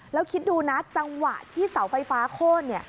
แล้วคิดดูนะจังหวะที่เสาไฟฟ้าโค้นเนี่ย